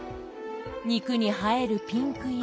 肉に映えるピンク色。